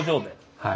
はい。